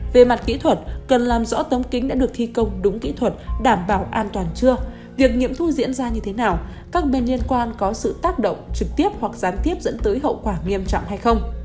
về mặt kỹ thuật cần làm rõ tấm kính đã được thi công đúng kỹ thuật đảm bảo an toàn chưa việc nghiệm thu diễn ra như thế nào các bên liên quan có sự tác động trực tiếp hoặc gián tiếp dẫn tới hậu quả nghiêm trọng hay không